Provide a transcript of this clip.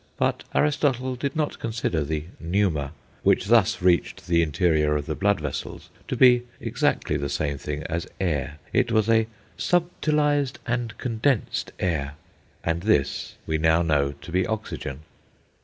But Aristotle did not consider the "pneuma," which thus reached the interior of the blood vessels, to be exactly the same thing as air it was "a subtilized and condensed air." And this we now know to be oxygen.